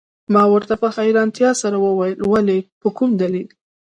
ما ورته په حیرانتیا سره وویل: ولي، په کوم دلیل؟